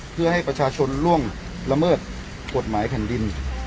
เพื่อให้ประชาชนล่วงละเมิดกฎหมายแผ่นดิน